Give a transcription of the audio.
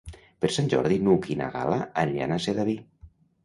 Per Sant Jordi n'Hug i na Gal·la aniran a Sedaví.